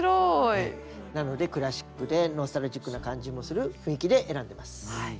なのでクラシックでノスタルジックな感じもする雰囲気で選んでます。